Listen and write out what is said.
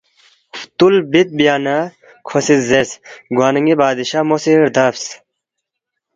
فُتول بِد بیا نہ کھو سی زیرس، ”گوانہ ن٘ی بادشاہ مو سی ردبس